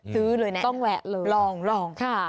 ซื้อเลยแน่ะลองค่ะต้องแวะเลย